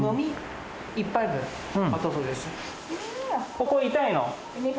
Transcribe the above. ここ痛いの？